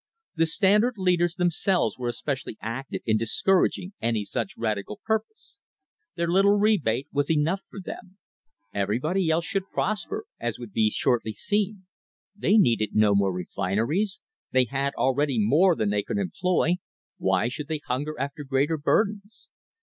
The Standard leaders themselves were especially active in discourag ing any such radical purpose. Their little rebate was enough for them. Everybody else should prosper, as would be shortly seen. They needed no more refineries; they had already more than they could employ — why should they hunger after greater burdens